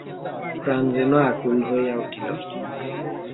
প্রাণ যেন আকুল হইয়া উঠিল।